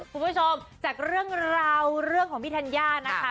คุณผู้ชมจากเรื่องราวเรื่องของพี่ธัญญานะคะ